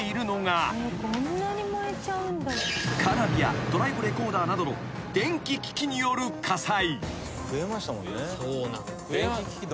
［カーナビやドライブレコーダーなどの電気機器による火災］